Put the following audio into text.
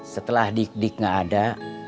setelah dikdik nggak ada